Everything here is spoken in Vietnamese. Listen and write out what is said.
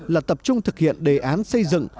là tập trung thực hiện đề án xây dựng